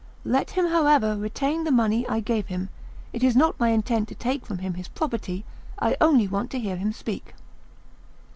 Let him, however, retain the money I gave him; it is not my intent to take from him his property; I only want him to speak."